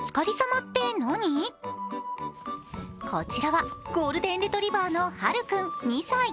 こちらはゴールデンレトリバーのハルくん２歳。